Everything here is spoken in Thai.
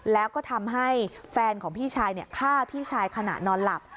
แล้วก็ทำให้แฟนของพี่ชายฆ่าพี่ชายขณะนอนหลับ